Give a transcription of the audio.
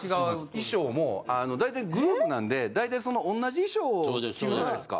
衣装もあの大体グループなんで大体その同じ衣装を着るじゃないですか。